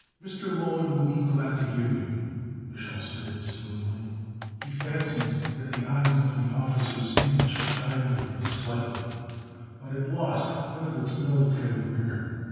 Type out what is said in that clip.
"Mr. Mollon will be glad to hear you," Mich'l said smoothly. He fancied that the eyes of the officer's image dilated slightly, but it lost none of its military rigor.